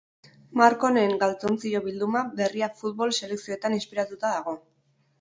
Marka honen galtzontzilo bilduma berria futbol selekzioetan inspiratuta dago.